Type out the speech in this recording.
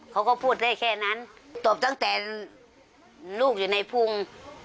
เขาก็พูดได้แค่นั้นตอบตั้งแต่ลูกอยู่ในพุง